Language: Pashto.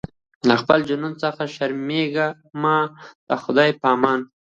له خپل جنون څخه شرمېږمه د خدای په امان